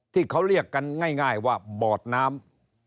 ที่เขาเรียกกันง่ายว่าบอดน้ำ